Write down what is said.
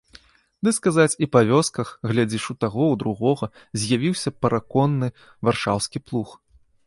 Ды, сказаць, і па вёсках, глядзіш, у таго, у другога з'явіўся параконны варшаўскі плуг.